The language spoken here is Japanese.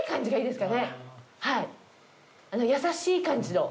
はい優しい感じの。